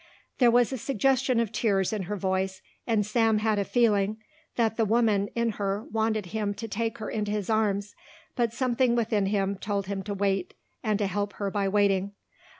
There was a suggestion of tears in her voice and Sam had a feeling that the woman in her wanted him to take her into his arms, but something within him told him to wait and to help her by waiting.